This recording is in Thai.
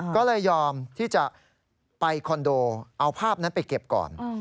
ก็เลยยอมที่จะไปคอนโดเอาภาพนั้นไปเก็บก่อน